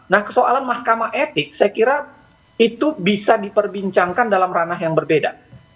nah persoalan mahkamah etik saya kira itu bisa diperbincangkan dalam ranah yang berbeda